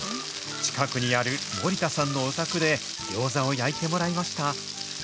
近くにある森田さんのお宅で、餃子を焼いてもらいました。